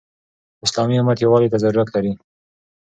اسلامي امت يووالي ته ضرورت لري.